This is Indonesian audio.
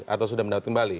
atau sudah mendapat kembali